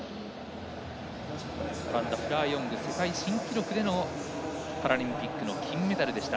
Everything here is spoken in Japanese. オランダのフラー・ヨング世界新記録でのパラリンピックの金メダルでした。